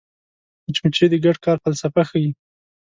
مچمچۍ د ګډ کار فلسفه ښيي